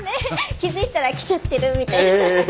気付いたら来ちゃってるみたいな。